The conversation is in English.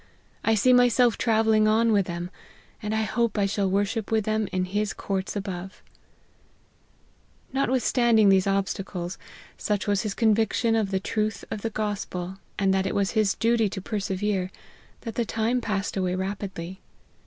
I see myself travelling on with them, and I hope I shall worship with them in His courts above !" Notwithstanding these obstacles, such was his conviction of the truth of the gospel, and that it was his duty to persevere, that the time passed away rapidly.